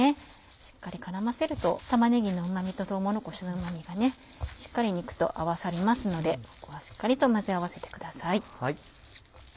しっかり絡ませると玉ねぎのうま味ととうもろこしのうま味がしっかり肉と合わさりますのでここはしっかりと混ぜ合わせてください。